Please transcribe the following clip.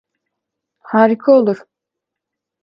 Harika olur.